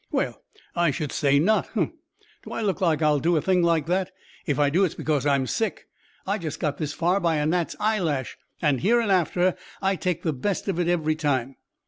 "Well, I should say not. Hunh! Do I look like I'd do a thing like that? If I do, it's because I'm sick. I just got this far by a gnat's eyelash, and hereinafter I take the best of it every time."